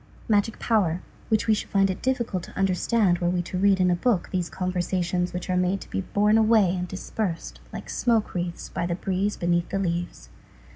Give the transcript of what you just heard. Magic power which we should find it difficult to understand were we to read in a book these conversations which are made to be borne away and dispersed like smoke wreaths by the breeze beneath the leaves.